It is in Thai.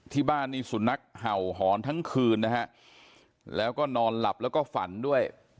ที่บ้านนี่สุนัขเห่าหอนทั้งคืนนะฮะแล้วก็นอนหลับแล้วก็ฝันด้วย